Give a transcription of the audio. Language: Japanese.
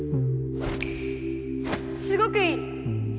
すごくいい！